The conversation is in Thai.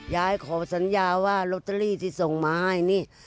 ยายขอสัญญาว่าลอตเตอรี่ที่ส่งมาให้นี่